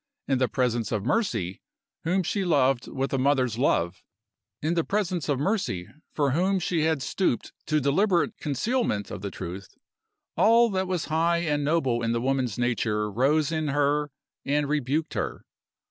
In the presence of Mercy, whom she loved with a mother's love in the presence of Mercy, for whom she had stooped to deliberate concealment of the truth all that was high and noble in the woman's nature rose in her and rebuked her.